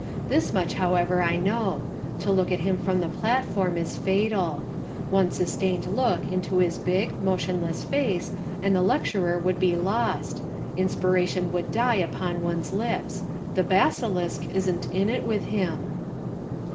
This much, however, I know: to look at him from the platform is fatal. One sustained look into his big, motionless face and the lecturer would be lost; inspiration would die upon one's lips the basilisk isn't in it with him.